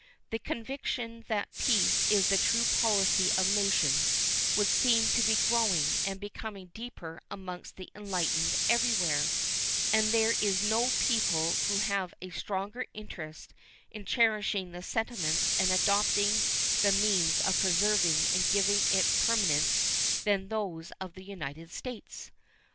The conviction that peace is the true policy of nations would seem to be growing and becoming deeper amongst the enlightened everywhere, and there is no people who have a stronger interest in cherishing the sentiments and adopting the means of preserving and giving it permanence than those of the United States.